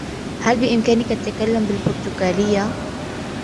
هل بإمكانك التّكلّم بالبرتغاليّة؟